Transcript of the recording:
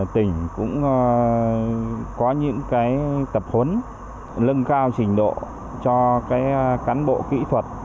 tỉnh cũng có những tập huấn lưng cao trình độ cho cán bộ kỹ thuật